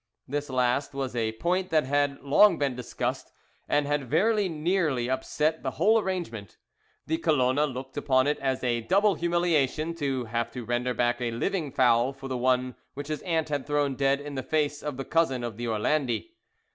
This last was a point that had long been discussed, and had very nearly upset the whole arrangement. The Colona looked upon it as a double humiliation to have to render back a living fowl for the one which his aunt had thrown dead in the face of the cousin of the Orlandi.